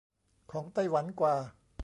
ของไต้หวันกว่า